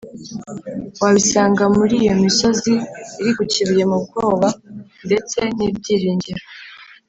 Wabisanga muri iyo misozi iri ku Kibuye mu bwoba ndetse n ibyiringiro